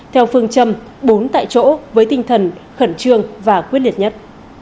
theo phương châm bốn tại chỗ với tinh thần khẩn trương và quyết liệt nhất